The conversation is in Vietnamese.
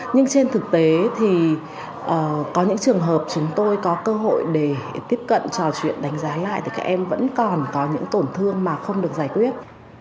nhưng trên thực tế thì có những trường hợp chúng tôi có cơ hội để tiếp cận trò chuyện đánh giá lại thì các em vẫn còn có những tổn thương mà không được giải quyết